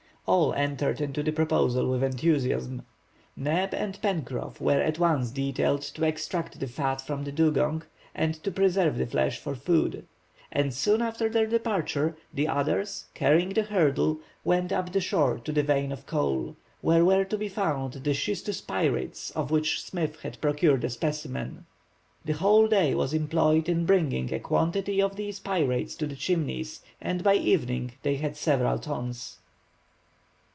All entered into the proposal with enthusiasm. Neb and Pencroff were at once detailed to extract the fat from the dugong and to preserve the flesh for food; and soon after their departure the others, carrying the hurdle, went up the shore to the vein of coal, where were to be found the schistous pyrites of which Smith had procured a specimen. The whole day was employed in bringing a quantity of these pyrites to the Chimneys, and by evening they had several tons.